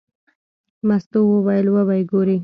مستو وویل: وبه یې ګورې.